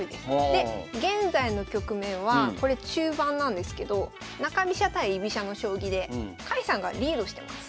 で現在の局面はこれ中盤なんですけど中飛車対居飛車の将棋で甲斐さんがリードしてます。